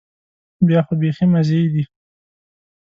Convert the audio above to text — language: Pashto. بیا خو بيخي مزې دي.